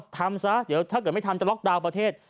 ทำซะเดี๋ยวถ้าเกิดไม่ทำจะล็อกดาวน์ประเทศ